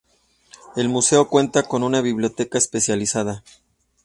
El museo cuenta con una biblioteca especializada